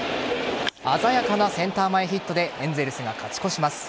鮮やかなセンター前ヒットでエンゼルスが勝ち越します。